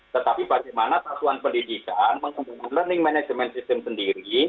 tetapi bagaimana satuan pendidikan mengembangkan learning management system sendiri